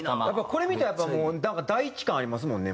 これ見たら大地感ありますもんね